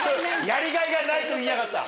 やりがいがないと言いやがった。